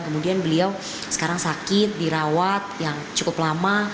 kemudian beliau sekarang sakit dirawat yang cukup lama